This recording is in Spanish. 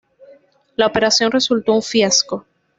La operación resultó un fiasco.